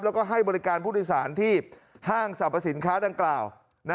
แล้วก็ให้บริการผู้โดยสารที่ห้างสรรพสินค้าดังกล่าว